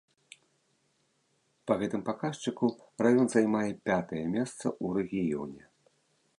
Па гэтым паказчыку раён займае пятае месца ў рэгіёне.